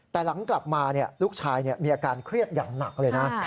แต่หลังกลับมาลูกชายมีอาการเครียดอย่างหนักเลยนะ